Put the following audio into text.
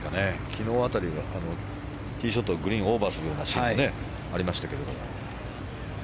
昨日辺りはティーショットがグリーンをオーバーするようなシーンもありましたけれども。